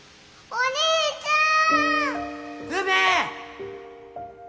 お兄ちゃん！